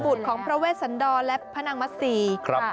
บุตรของพระเวทสันดรและพระนางมัศรี